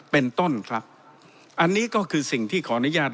เป็นต้นครับอันนี้ก็คือสิ่งที่ขออนุญาต